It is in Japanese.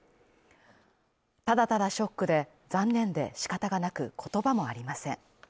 ただただショックで残念で仕方がなく、言葉もありません。